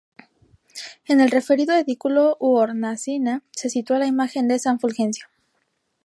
En el referido edículo u hornacina se sitúa la imagen de "San Fulgencio".